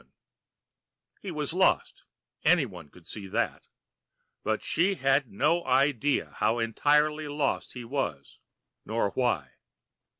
] He was lost anyone could see that but she had no idea how entirely lost he was nor why!